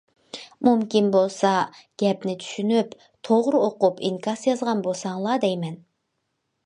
مۇمكىن بولسا، گەپنى چۈشىنىپ، توغرا ئوقۇپ ئىنكاس يازغان بولساڭلار دەيمەن.